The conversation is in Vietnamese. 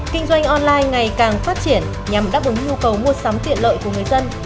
kinh doanh online ngày càng phát triển nhằm đáp ứng nhu cầu mua sắm tiện lợi của người dân